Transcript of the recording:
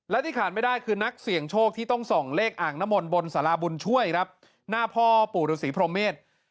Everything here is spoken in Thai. และที่ขาดไม่ได้คือนักเสี่ยงโชคที่ต้องส่องเลขอ่างน้ำมนต์บนสาราบุญช่วยครับหน้าพ่อปู่ฤษีพรหมเมษ